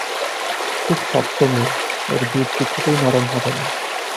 খুব শক্ত মেয়ে, এর জিদ কিছুতেই নরম হবে না।